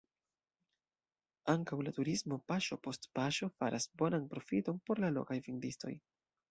Ankaŭ la turismo paŝo post paŝo faras bonan profiton por la lokaj vendistoj.